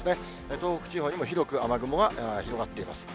東北地方にも広く雨雲が広がっています。